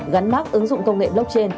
gắn mắt ứng dụng công nghệ blockchain